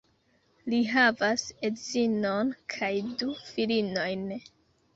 Li havas edzinon kaj du filinojn.